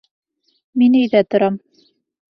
Мин өйҙә торам!